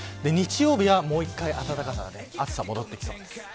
日曜日はもう１回暖かさが戻ってきそうです。